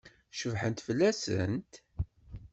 Cebḥent fell-asent?